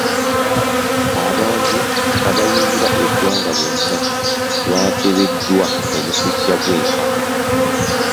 Abantu abayingira eggwanga bonna baakebeddwa omusujja gw'enkaka.